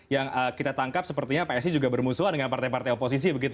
yang kita tangkap sepertinya psi juga bermusuhan dengan partai partai oposisi begitu